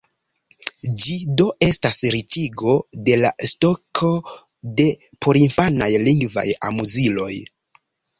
Ĝi do estas riĉigo de la stoko de porinfanaj lingvaj amuziloj.